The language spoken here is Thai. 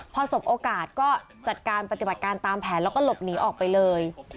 พอสบโอกาสก็จัดการปฏิบัติการตามแผนแล้วก็หลบหนีออกไปเลย